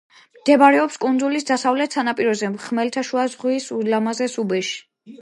მდებარეობს კუნძულის დასავლეთ სანაპიროზე, ხმელთაშუა ზღვის ულამაზეს უბეში.